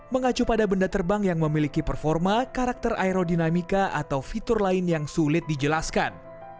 mengacu pada benda terbang yang memiliki performa karakter aerodinamika atau fitur lain yang sulit dijelaskan